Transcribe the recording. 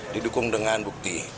didukung dengan bukti